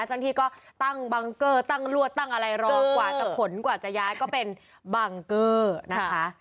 เจ้าหน้าที่ก็ตั้งบังเกอร์ตั้งรวดตั้งอะไรรอกว่าจะขนกว่าจะย้ายก็เป็นบังเกอร์นะคะ